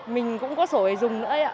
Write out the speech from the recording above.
mình cũng có sổ để dùng nữa